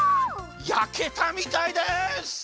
やけたみたいです！